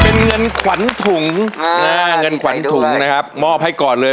เป็นเงินขวัญถุงเงินขวัญถุงนะครับมอบให้ก่อนเลย